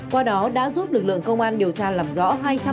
qua đó đã giúp lực lượng công an điều tra làm rõ